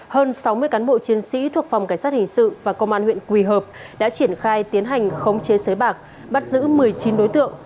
hơn sáu mươi cán bộ chiến sĩ thuộc phòng cảnh sát hình sự và công an huyện quỳ hợp đã triển khai tiến hành khống chế sới bạc bắt giữ một mươi chín đối tượng